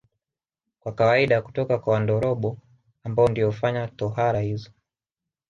Kwa kawaida hutoka kwa Wandorobo ambao ndio hufanya tohara hizo